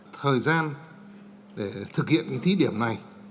thời gian để thực hiện cái thí điểm này